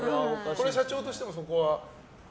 社長としても、そこは？